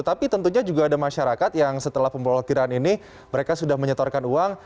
tapi tentunya juga ada masyarakat yang setelah pemblokiran ini mereka sudah menyetorkan uang